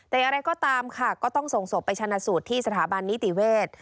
แต่อย่างไรก็ตามค่ะก็ต้องส่งศพไปชนะสูตรที่สถาบันนิติเวศ